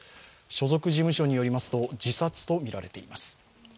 所属事務所によりますと自殺とみられています。